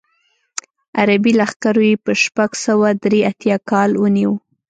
عربي لښکرو یې په شپږ سوه درې اتیا کال ونیو.